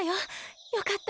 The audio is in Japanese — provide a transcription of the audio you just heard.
よかった。